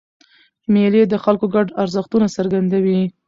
مېلې د خلکو ګډ ارزښتونه څرګندوي.